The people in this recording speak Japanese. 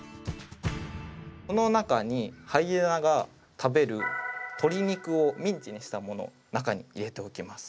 この中にハイエナが食べる鶏肉をミンチにしたものを中に入れておきます。